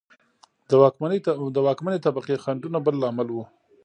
د واکمنې طبقې خنډونه بل لامل و.